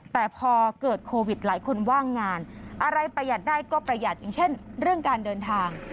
แต่พอเกิดโควิดหลายคนว่างงานอะไรประหยัดได้ก็ประหยัดอย่างเช่นเรื่องการเดินทาง